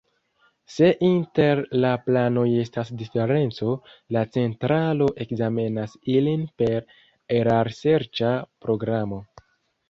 Se inter la planoj estas diferenco, la centralo ekzamenas ilin per erarserĉa programo.